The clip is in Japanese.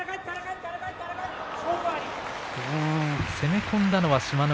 攻め込んだのは志摩ノ